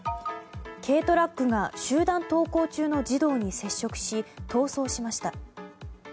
軽トラックが集団登校中の児童に接触し逃走しました。